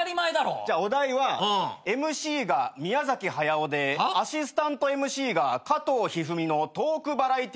じゃあお題はＭＣが宮崎駿でアシスタントＭＣが加藤一二三のトークバラエティー番組。